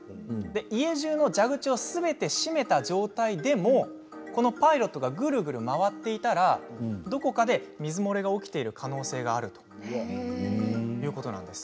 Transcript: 家じゅうの蛇口をすべて締めた状態でもこのパイロットがぐるぐる回っていたらどこかで水漏れが起きている可能性があるということなんです。